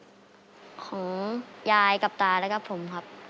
ของยายกับตาแล้วก็ผมครับ